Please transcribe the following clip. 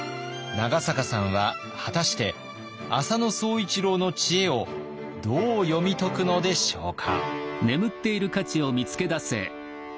長坂さんは果たして浅野総一郎の知恵をどう読み解くのでしょうか。